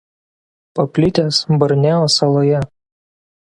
Paplitęs Borneo saloje.